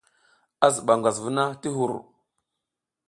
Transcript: A ziɓa ngwas vuna ti hur.